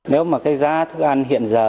nếu mà cái giá thức ăn hiện giờ